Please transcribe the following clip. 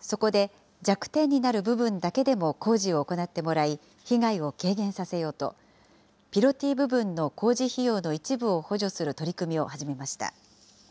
そこで、弱点になる部分だけでも工事を行ってもらい、被害を軽減させようと、ピロティ部分の工事費用の一部を補助する取り組みを始めました。